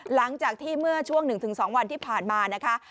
หลังจากที่เมื่อช่วง๑๒วันที่ผ่านมานะคะ